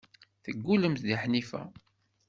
Teggullemt deg Ḥnifa.